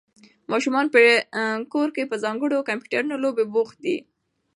ماشومان په کور کې په ځانګړو کمپیوټري لوبو بوخت دي.